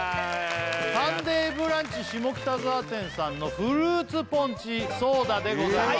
サンデーブランチ下北沢店さんのフルーツポンチソーダでございます